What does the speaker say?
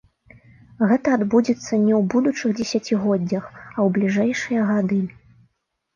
Гэта адбудзецца не ў будучых дзесяцігоддзях, а ў бліжэйшыя гады.